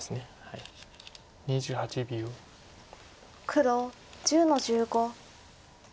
黒１０の十五。